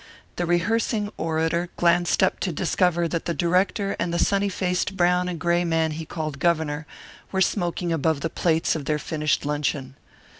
The rehearsing orator glanced up to discover that the director and the sunny faced brown and gray man he called Governor were smoking above the plates of their finished luncheon.